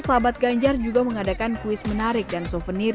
sahabat ganjar juga mengadakan kuis menarik dan souvenir